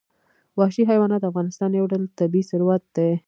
وحشي حیوانات د افغانستان یو ډول طبعي ثروت دی.